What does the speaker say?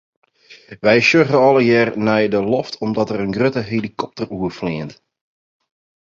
We sjogge allegearre nei de loft omdat der in grutte helikopter oerfleant.